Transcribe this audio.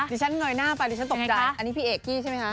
ที่ฉันเงยหน้าไปดิฉันตกใจอันนี้พี่เอกกี้ใช่ไหมคะ